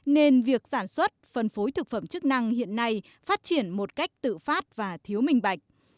nên việc sản xuất phân phối thực phẩm chức năng hiện nay phát triển một cách tự phát và thiếu minh bạch